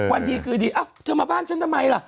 วันดีคืนดีเอ้าเธอมาบ้านฉันทำไมล่ะ